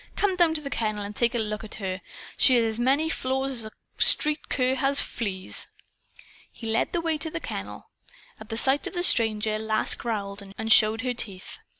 "Come down to the kennel and take a look at her. She has as many flaws as a street cur has fleas." He led the way to the kennel. At sight of the stranger Lass growled and showed her teeth.